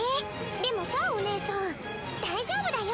でもさお姉さん大丈夫だよ！